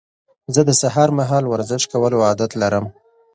زه د سهار مهال ورزش کولو عادت لرم.